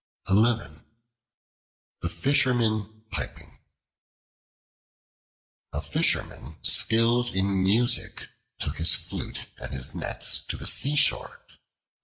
The Fisherman Piping A FISHERMAN skilled in music took his flute and his nets to the seashore.